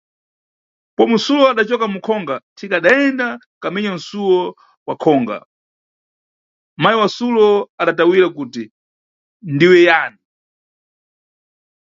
Pomwe sulo adacoka mukhonga, thika adayenda kamenya suwo wakhonga, mayi wa sulo adatawira kuti: diwe yani?